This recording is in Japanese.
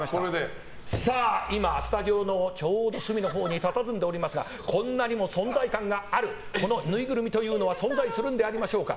さあ今、スタジオのちょうど隅のほうにたたずんでおりますがこんなにも存在感があるこのぬいぐるみというのは存在するんでありましょうか。